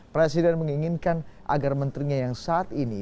presiden menginginkan agar menterinya yang saat ini